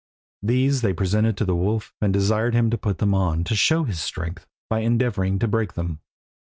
These they presented to the wolf, and desired him to put them on to show his strength by endeavouring to break them.